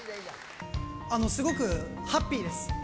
すごくハッピーです。